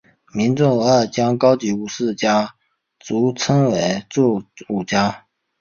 民众偶尔将高级武士家族称作武家。